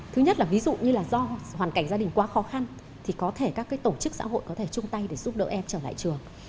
thứ nhất là ví dụ như là do hoàn cảnh gia đình quá khó khăn thì có thể các tổ chức xã hội có thể chung tay để giúp đỡ em trở lại trường